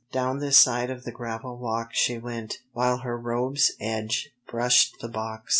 Down this side of the gravel walk She went, while her robe's edge brushed the box.